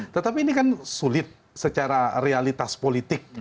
tetapi ini kan sulit secara realitas politik